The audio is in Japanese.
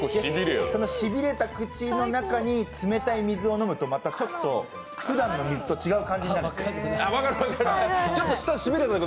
そのしびれた口の中に冷たい水を飲むと、またちょっとふだんの水と違う感じになる。